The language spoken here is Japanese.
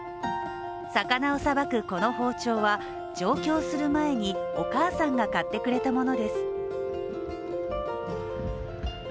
魚をさばくこの包丁は上京する前にお母さんが買ってくれたものです